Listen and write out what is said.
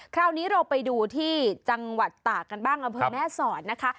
คราวนี้เราไปดูที่จังหวัดตากกันบ้างอำเภอแม่สอดนะคะ